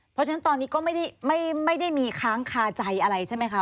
เพราะฉะนั้นตอนนี้ก็ไม่ได้มีค้างคาใจอะไรใช่ไหมคะ